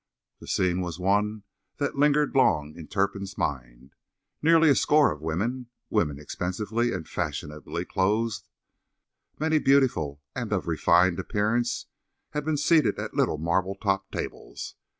The scene was one that lingered long in Turpin's mind. Nearly a score of women—women expensively and fashionably clothed, many beautiful and of refined appearance—had been seated at little marble topped tables.